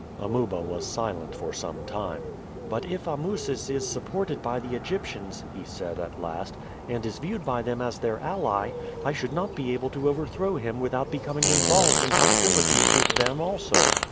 Amuba was silent for some time. "But if Amusis is supported by the Egyptians," he said at last, "and is viewed by them as their ally, I should not be able to overthrow him without becoming involved in hostilities with them also.